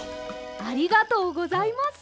ありがとうございます。